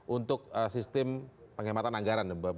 untuk sistem penghematan anggaran